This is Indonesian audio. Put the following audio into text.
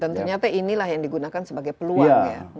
dan ternyata inilah yang digunakan sebagai peluang ya